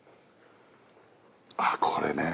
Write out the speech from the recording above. あっこれね。